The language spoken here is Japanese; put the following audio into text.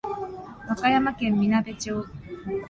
和歌山県みなべ町